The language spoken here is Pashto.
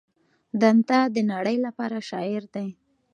دانته د نړۍ لپاره شاعر دی.